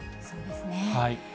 そうですね。